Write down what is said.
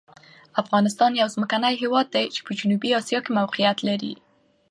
افغانستان یو ځمکني هېواد دی چې په جنوبي آسیا کې موقعیت لري.